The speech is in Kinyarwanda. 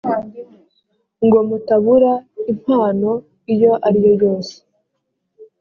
ngo mutabura impano iyo ari yo yose